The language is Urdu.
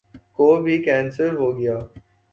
کو بھی کینسر ہو گیا ؟